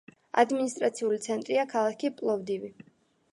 ადმინისტრაციული ცენტრია ქალაქი პლოვდივი.